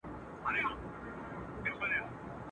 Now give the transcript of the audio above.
پر مځکه سپي او په هوا کي به کارګان ماړه وه.